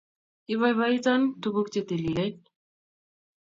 Ipoipoiton tukuk che tililen.